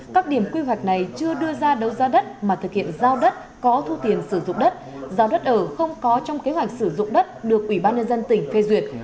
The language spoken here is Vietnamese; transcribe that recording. các điểm quy hoạch này chưa đưa ra đấu giá đất mà thực hiện giao đất có thu tiền sử dụng đất giao đất ở không có trong kế hoạch sử dụng đất được ủy ban nhân dân tỉnh phê duyệt